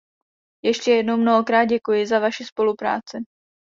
Ještě jednou mnohokrát děkuji za vaši spolupráci.